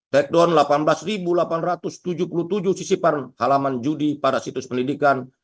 take down delapan belas delapan ratus tujuh puluh tujuh sisipan halaman judi pada situs pendidikan